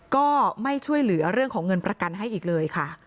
ก็ไม่ช่วยเหลือเรื่องของเงินประกันให้อีกเลยค่ะ